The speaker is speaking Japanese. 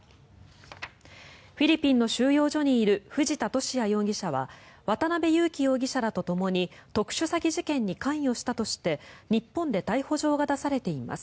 フィリピンの収容所にいる藤田聖也容疑者は渡邉優樹容疑者らとともに特殊詐欺事件に関与したとして日本で逮捕状が出されています。